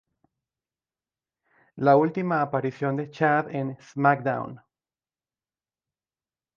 La última aparición de Shad en "SmackDown!